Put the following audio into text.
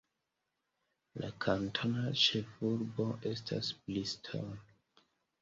La kantona ĉefurbo estas Bristol.